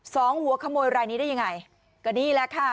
หัวขโมยรายนี้ได้ยังไงก็นี่แหละค่ะ